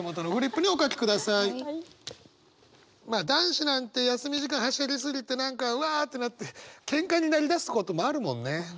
まあ男子なんて休み時間はしゃぎ過ぎて何かうわってなってケンカになりだすこともあるもんね。